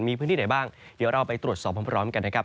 มีพื้นที่ไหนบ้างเดี๋ยวเราไปตรวจสอบพร้อมกันนะครับ